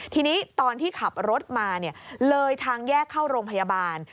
ทีนี้ตอนที่ขับรถมาเลยทางแยกเข้าโรงพยาบาล